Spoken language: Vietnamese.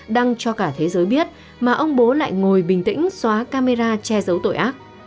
đăng cho cả thế giới biết mà ông bố lại ngồi bình tĩnh xóa camera che giấu tội ác